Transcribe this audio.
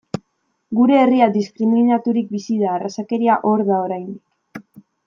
Gure herria diskriminaturik bizi da, arrazakeria hor da oraindik.